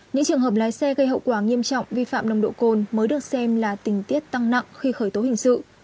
những trường hợp lái xe gây hậu quả nghiêm trọng vi phạm nồng độ cồn mới được xem là tình tiết tăng nặng khi khởi tố hình sự